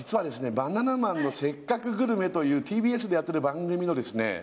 「バナナマンのせっかくグルメ！！」というＴＢＳでやっている番組のですね